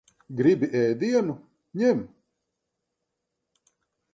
Gribi ēdienu? Ņem.